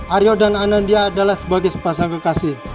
aryo dan anandia adalah sebagai sepasang kekasih